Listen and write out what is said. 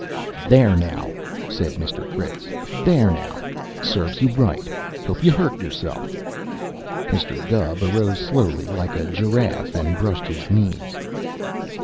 "There, now!" said Mr. Critz. "There, now! Serves you right. Hope you hurt chuself!" Mr. Gubb arose slowly, like a giraffe, and brushed his knees.